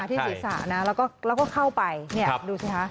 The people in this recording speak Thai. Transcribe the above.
ที่ศรีษะนะแล้วก็เข้าไปดูสิคะ